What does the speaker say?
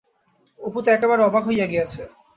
অপু তো একেবারে অবাক হইয়া গিয়াছে।